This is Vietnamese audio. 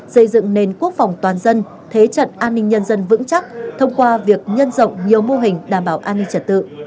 xây dựng nền quốc phòng toàn dân thế trận an ninh nhân dân vững chắc thông qua việc nhân rộng nhiều mô hình đảm bảo an ninh trật tự